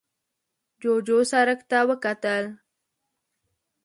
جوجو سرک ته وکتل.